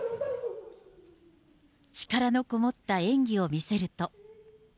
力のこもった演技を見せると。